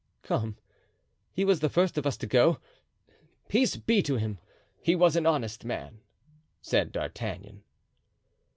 "Come, he was the first of us to go; peace be to him! he was an honest man," said D'Artagnan.